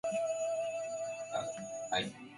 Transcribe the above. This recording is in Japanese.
今日は暑い。